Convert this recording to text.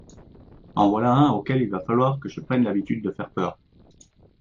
En voilà un auquel il va falloir que je prenne l'habitude de faire peur.